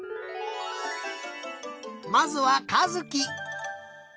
まずはかずき。